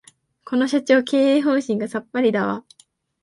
この社長、経営方針がさっぱりだわ